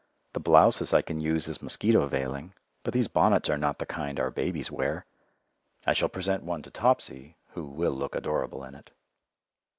The blouses I can use as mosquito veiling, but these bonnets are not the kind our babies wear. I shall present one to Topsy, who will look adorable in it.